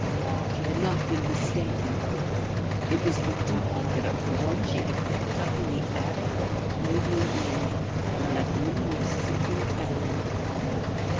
She had not been mistaken; it was the duplicate of the one she had picked up in the attic of the Claymore Inn when that inn was simply a tavern.